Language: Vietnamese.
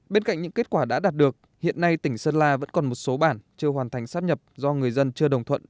bên cạnh những kết quả đã đạt được hiện nay tỉnh sơn la vẫn còn một số bản chưa hoàn thành sắp nhập do người dân chưa đồng thuận